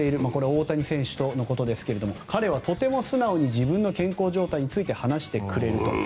大谷選手のことですけれども彼はとても素直に自分の健康状態について話してくれると。